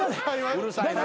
うるさいな。